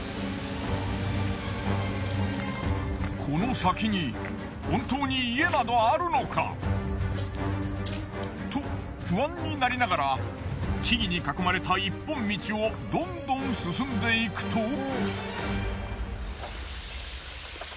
この先に本当に家などあるのか？と不安になりながら木々に囲まれた一本道をどんどん進んでいくと。